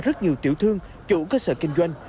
rất nhiều tiểu thương chủ cơ sở kinh doanh